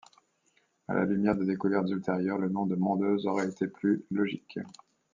À la lumière de découvertes ultérieures, le nom de mondeuse aurait été plus logique.